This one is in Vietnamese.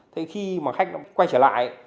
thế khi mà khách nó quay trở lại